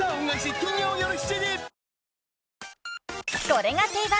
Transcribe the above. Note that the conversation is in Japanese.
［『これが定番！